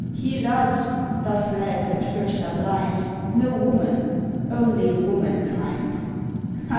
He loves thus lads at first are blind No woman, only Womankind.